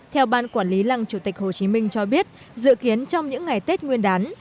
theo ban quản lý lăng chủ tịch hồ chí minh cho biết dự kiến trong những ngày tết nguyên đán